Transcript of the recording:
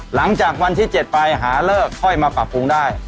หลังจากวันที่๗ไปหาเลิกค่อยมาปรับปรุงได้